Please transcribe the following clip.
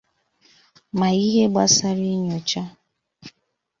ma ihe gbasaara inyòchà